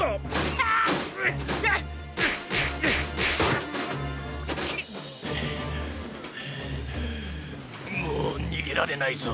ハアハアもうにげられないぞ。